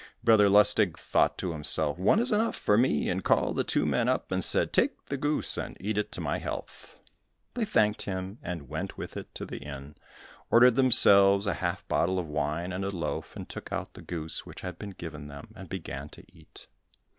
Brother Lustig thought to himself, "One is enough for me," and called the two men up and said, "Take the goose, and eat it to my health." They thanked him, and went with it to the inn, ordered themselves a half bottle of wine and a loaf, took out the goose which had been given them, and began to eat.